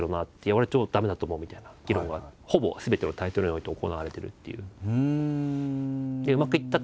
「俺超駄目だと思う」みたいな議論がほぼすべてのタイトルにおいて行われてるっていう。